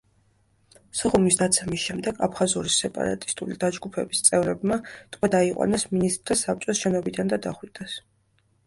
სოხუმის დაცემის შემდეგ აფხაზური სეპარატისტული დაჯგუფების წევრებმა ტყვედ აიყვანეს მინისტრთა საბჭოს შენობიდან და დახვრიტეს.